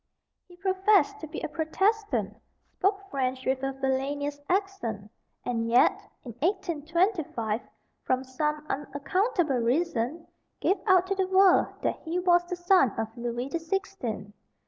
He professed to be a Protestant, spoke French with a villainous accent, and yet, in 1825, from some unaccountable reason, gave out to the world that he was the son of Louis the Sixteenth.